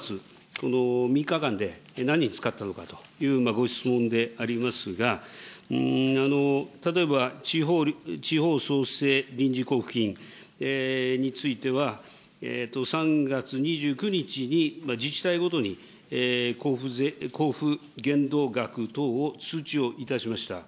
この３日間で何に使ったのかというご質問でありますが、例えば地方創生臨時交付金については、３月２９日に自治体ごとに交付限度額等を通知をいたしました。